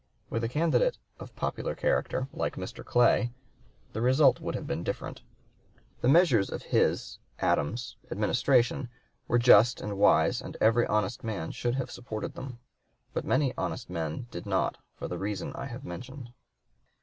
With a candidate "of popular character, like Mr. Clay," the result would have been different. "The measures of his [Adams's] Administration were just and wise and every honest man should have supported them, but many honest men did not for the reason I have mentioned."